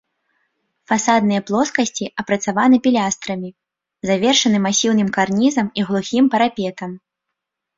Фасадныя плоскасці апрацаваны пілястрамі, завершаны масіўным карнізам і глухім парапетам.